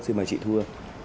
xin mời chị thu hương